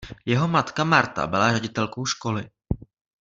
Jeho matka Martha byla ředitelkou školy.